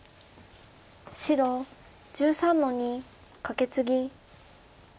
白１３の二カケツギ。